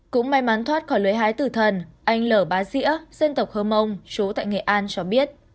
cũng may mắn thoát khỏi lưới hái tử thần anh lở bá dĩa dân tộc hơ mông chú tại nghệ an cho biết